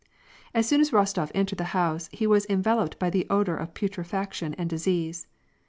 As soon ^ Kostof entered the house, he was enveloped by the odor of putrefaction and disease.